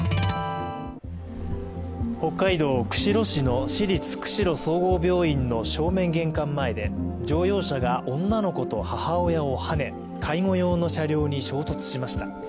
北海道釧路市の市立釧路総合病院の正面玄関前で乗用車が女の子と母親をはね介護用の車両に衝突しました。